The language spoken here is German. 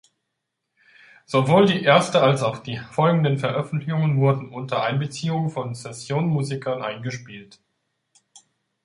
Sowohl die erste als auch die folgenden Veröffentlichungen wurden unter Einbeziehung von Sessionmusikern eingespielt.